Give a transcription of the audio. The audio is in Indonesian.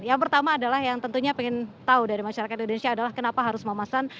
yang pertama adalah yang tentunya pengen tahu dari masyarakat indonesia adalah kenapa harus memesan